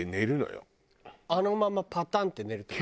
あのままパタンって寝るって事？